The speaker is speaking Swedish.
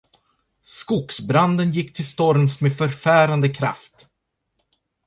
Skogsbranden gick till storms med förfärande kraft.